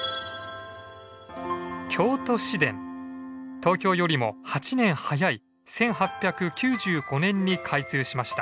東京よりも８年早い１８９５年に開通しました。